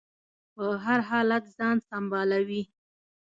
په هر حالت ځان سنبالوي.